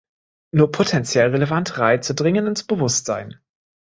Nur potentiell relevante Reize dringen ins Bewusstsein.